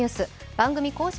番組公式